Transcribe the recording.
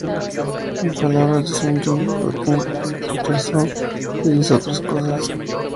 En palabras de Sondheim, "Burton se marchó e hizo otras cosas.